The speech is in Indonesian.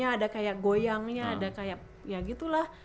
ada kayak goyangnya ada kayak ya gitu lah